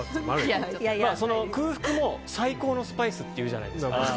空腹も最高のスパイスっていうじゃないですか。